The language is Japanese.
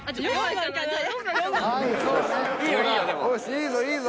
いいぞいいぞ。